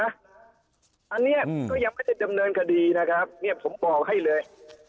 อันนี้ก็ยังก็จะดำเนินคดีนะครับเนี่ยผมบอกให้เลย